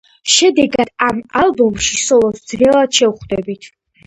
შედეგად ამ ალბომში სოლოს ძნელად შევხვდებით.